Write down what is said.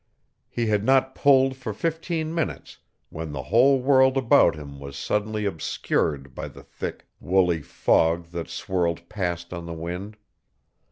He had not pulled for fifteen minutes when the whole world about him was suddenly obscured by the thick, woolly fog that swirled past on the wind.